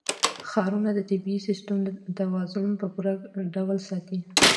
ښارونه د طبعي سیسټم توازن په پوره ډول ساتي.